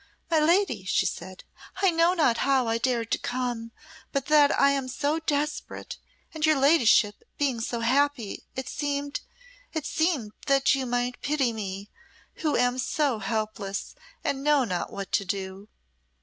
"My lady," she said, "I know not how I dared to come, but that I am so desperate and your ladyship being so happy, it seemed it seemed that you might pity me, who am so helpless and know not what to do."